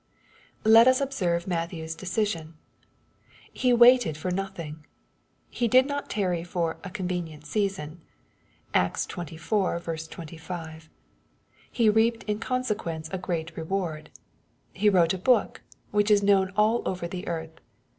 Let us observe Matthew's deciaion. He waited foi nothing. He did not tarry for " a convenient season." (Acts xxiv. 25.) And he reaped in consequence a great reward. He wrote a book, which is known all over the earth.